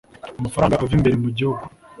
amafaranga ava imbere mu gihugu